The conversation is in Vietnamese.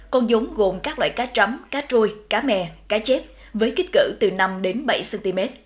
con giống gồm các loại cá trắm cá trôi cá mè cá chép với kích cỡ từ năm đến bảy cm